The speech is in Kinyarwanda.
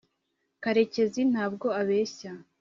karekezi ntabwo abeshya